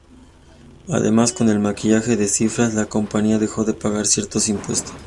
Además con el maquillaje de cifras la compañía dejó de pagar ciertos impuestos.